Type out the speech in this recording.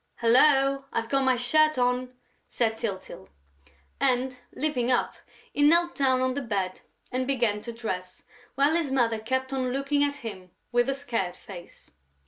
"Hullo, I've got my shirt on!" said Tyltyl. And, leaping up, he knelt down on the bed and began to dress, while his mother kept on looking at him with a scared face.